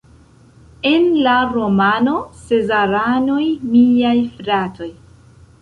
En la romano Sezaranoj miaj fratoj!